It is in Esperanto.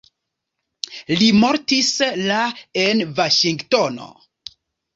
Li mortis la en Vaŝingtono.